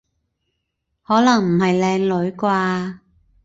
可能唔係靚女啩？